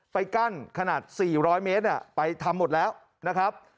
ไปกั้นขนาด๔๐๐เมตรไปทำหมดแล้วนะครับ